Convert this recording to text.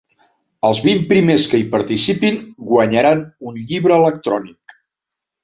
Els vint primers que hi participin, guanyaran un llibre electrònic.